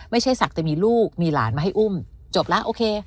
ศักดิ์แต่มีลูกมีหลานมาให้อุ้มจบแล้วโอเค